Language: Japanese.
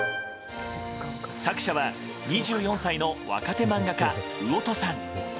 作者は２４歳の若手漫画家魚豊さん。